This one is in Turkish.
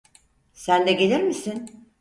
Sen de gelir misin?